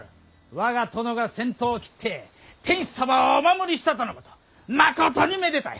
我が殿が先頭を切って天子様をお守りしたとのことまことにめでたい。